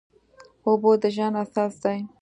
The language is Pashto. اوبه د ژوند اساس دي.